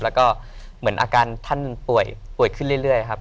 แล้วก็เหมือนอาการท่านป่วยขึ้นเรื่อยครับ